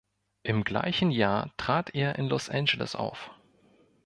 Im gleichen Jahr trat er in Los Angeles auf.